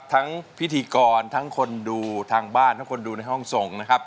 ทั้งพิธีกรทั้งคนดูทางบ้านทั้งคนดูในห้องส่ง